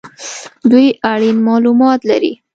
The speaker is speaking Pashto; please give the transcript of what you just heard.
دوی اړین مالومات لري